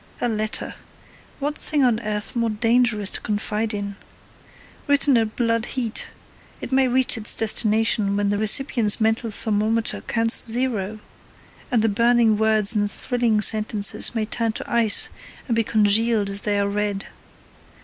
A letter. What thing on earth more dangerous to confide in? Written at blood heat, it may reach its destination when the recipient's mental thermometer counts zero, and the burning words and thrilling sentences may turn to ice and be congealed as they are read.